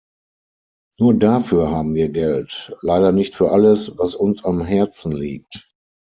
Nur dafür haben wir Geld, leider nicht für alles, was uns am Herzen liegt!